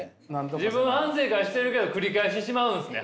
自分反省会してるけど繰り返してしまうんですね。